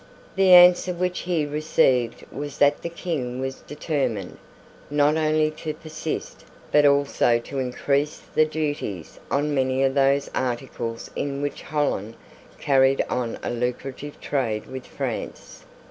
The answer which he received was that the King was determined, not only to persist, but also to increase the duties on many of those articles in which Holland carried on a lucrative trade with France.